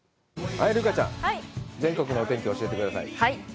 留伽ちゃん、全国のお天気を教えてください。